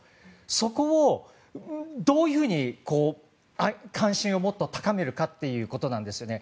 そこをどういうふうに関心をもっと高めるかということなんですよね。